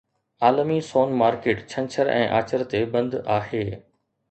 عالمي سون مارڪيٽ ڇنڇر ۽ آچر تي بند آهي